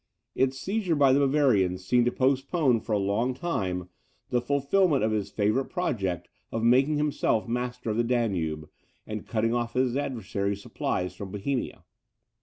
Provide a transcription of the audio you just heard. Its seizure by the Bavarians seemed to postpone for a long time the fulfilment of his favourite project of making himself master of the Danube, and cutting off his adversaries' supplies from Bohemia.